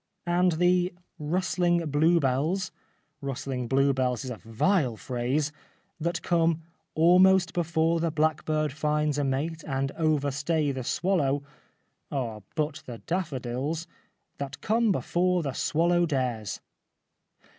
And the ' rusthng bluebells '— rustling bluebells is a vile phrase — that come ' Almost before the blackbird finds a mate, And overstay the swallow ' are but the daffodils ' That come before the swallow dares.'